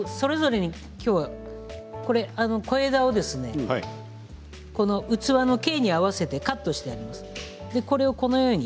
それぞれに小枝を器の径に合わせてカットしています。